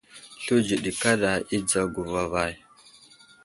Sluwdji ɗi kaɗa i dzago vavay.